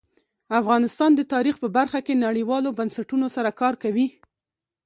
افغانستان د تاریخ په برخه کې نړیوالو بنسټونو سره کار کوي.